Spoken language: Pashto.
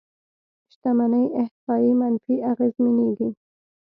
شتمنۍ احصایې منفي اغېزمنېږي.